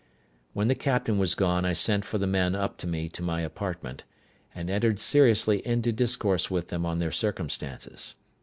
When the captain was gone I sent for the men up to me to my apartment, and entered seriously into discourse with them on their circumstances.